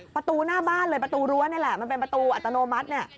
ประตูหน้าบ้านเลยประตูรั้วนี่แหละมันเป็นประตูอัตโนมัติเนี่ย